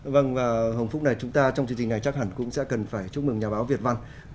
vâng và hồng phúc này chúng ta trong chương trình này chắc hẳn cũng sẽ cần phải chúc mừng nhà báo việt văn